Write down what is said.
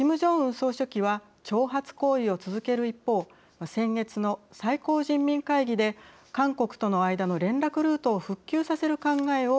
総書記は挑発行為を続ける一方先月の最高人民会議で韓国との間の連絡ルートを復旧させる考えを表明。